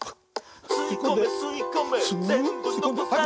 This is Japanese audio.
「すいこめすいこめぜんぶのこさず」